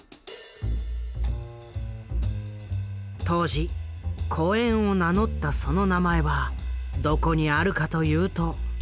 当時「小ゑん」を名乗ったその名前はどこにあるかというと。